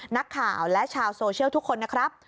นักข่าวและชาวโซเชียลทุกคนนะครับ